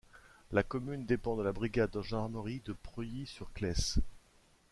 La commune dépend de la brigade de gendarmerie de Preuilly sur Claise.